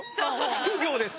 副業です。